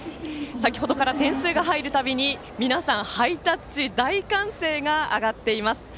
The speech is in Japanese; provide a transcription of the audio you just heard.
先程から点数が入るたびに皆さん、ハイタッチ大歓声が上がっています。